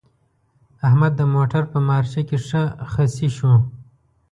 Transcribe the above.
احمد د موټر په مارچه کې ښه خصي شو.